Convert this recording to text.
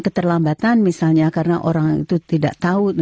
keterlambatan misalnya karena orang itu tidak tahu